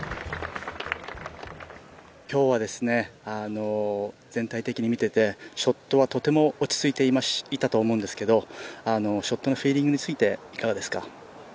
今日は全体的に見ていて、ショットは落ち着いていたと思うんですけどショットのフィーリングについていかがですか？